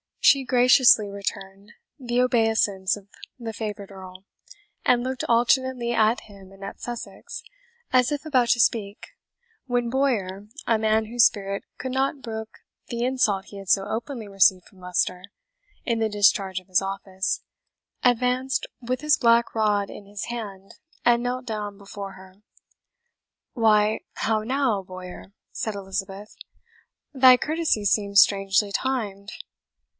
She graciously returned the obeisance of the favourite Earl, and looked alternately at him and at Sussex, as if about to speak, when Bowyer, a man whose spirit could not brook the insult he had so openly received from Leicester, in the discharge of his office, advanced with his black rad in his hand, and knelt down before her. "Why, how now, Bowyer?" said Elizabeth, "thy courtesy seems strangely timed!"